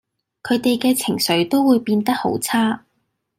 佢哋嘅情緒都會變得好差